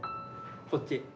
こっち。